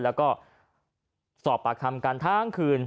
แล้วก็สอบปากคำกันทั้งคืน